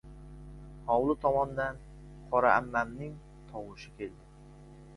Hovli tomondan «Qora ammam»ning tovushi keldi.